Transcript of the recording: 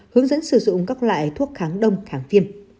hướng dẫn sử dụng các loại thuốc kháng đông kháng viêm